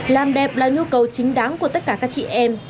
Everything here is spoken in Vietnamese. làm đẹp là nhu cầu chính đáng của tất cả các chị em